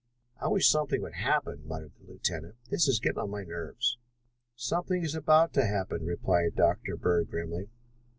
"I wish something would happen," muttered the lieutenant. "This is getting on my nerves. "Something is about to happen," replied Dr. Bird grimly.